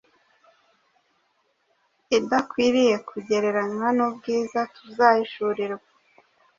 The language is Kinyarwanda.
idakwiriye kugereranywa n’ubwiza tuzahishurirwa